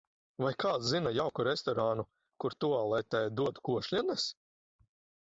Vai kāds zina jauku restorānu kur, tualetē dod košļenes?